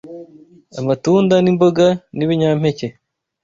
Amatunda n’imboga n’ibinyampeke.